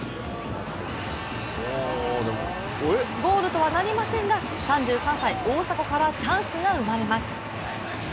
ゴールとはなりませんが３３歳・大迫からチャンスが生まれます。